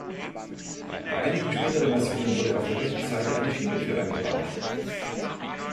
Bei einigen späteren Versionen wurde auf der rechten Seite eine Schiebetür eingebaut.